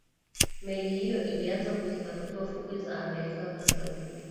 meli hiyo ilianza kuzitafuta fukwe za amerika kaskazini